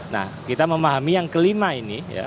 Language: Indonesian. nah kita memahami yang kelima ini ya